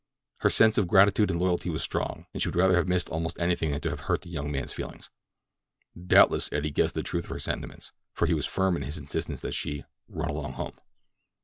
Her sense of gratitude and loyalty was strong, and she would rather have missed almost anything than to have hurt the young man's feelings. Doubtless Eddie guessed the truth of her sentiments; for he was firm in his insistence that she "run along home."